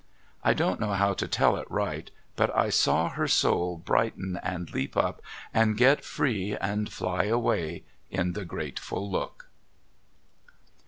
I don't know how to tell it right, but I saw her soul brighten and leap up, and get free and fly away in the grateful look.